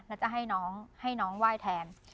แล้วจะให้น้องให้น้องไหว้แทน